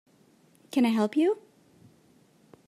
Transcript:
Can I help you?